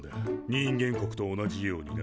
人間国と同じようにな。